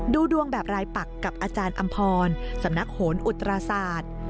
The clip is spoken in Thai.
ดูดวงแบบรายปักกับอาจารย์อำพรสำนักโหนอุตราศาสตร์